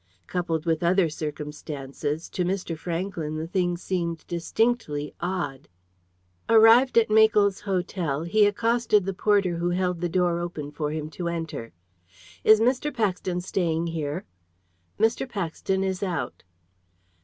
Coupled with other circumstances, to Mr. Franklyn the thing seemed distinctly odd. Arrived at Makell's Hotel, he accosted the porter who held the door open for him to enter. "Is Mr. Paxton staying here?" "Mr. Paxton is out."